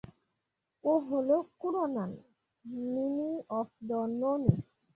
ও হলো ক্রোনান, নিনি of the Noni.